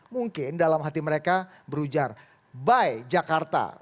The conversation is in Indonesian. mungkin dalam hati mereka berujar by jakarta